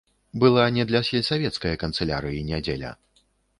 Была не для сельсавецкае канцылярыі нядзеля.